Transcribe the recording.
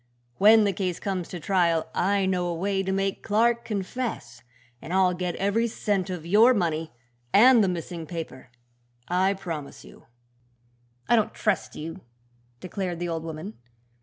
When the case comes to trial I know a way to make Clark confess, and I'll get every cent of your money and the missing paper, I promise you." "I don't trust you," declared the old woman.